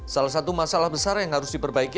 salah satu masalah besar yang harus diperbaiki